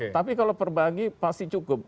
tapi kalau perbagi pasti cukup